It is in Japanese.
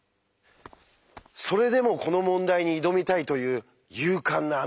それでもこの問題に挑みたいという勇敢なあなた。